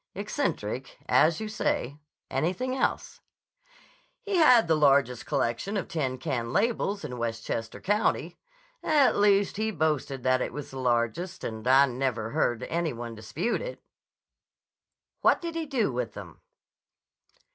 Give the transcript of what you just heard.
"Eccentric, as you say. Anything else?" "He had the largest collection of tin can labels in Westchester County. At least, he boasted that it was the largest, and I never heard any one dispute it." "What did he do with 'em?"